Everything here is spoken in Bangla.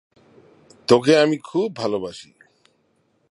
তোকে আমি খুব ভালোবাসি